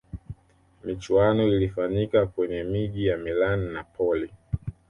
michuano ilifanyika kwenye miji ya milan napoli